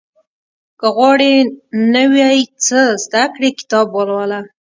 • که غواړې نوی څه زده کړې، کتاب ولوله.